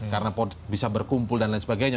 karena bisa berkumpul dan lain sebagainya